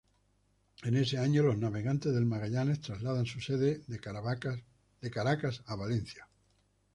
En ese año los Navegantes del Magallanes trasladan su sede de Caracas a Valencia.